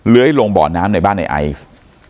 เหลือให้ลงบ่อน้ำในบ้านในไอซ์